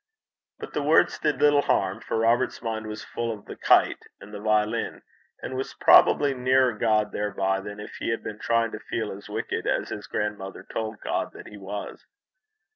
But the words did little harm, for Robert's mind was full of the kite and the violin, and was probably nearer God thereby than if he had been trying to feel as wicked as his grandmother told God that he was.